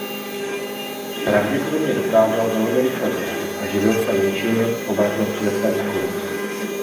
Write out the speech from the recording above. Pravděpodobně dokázal velmi rychle běhat a živil se menšími obratlovci ve svém okolí.